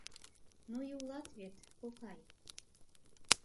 — Ну и улат вет, кокай...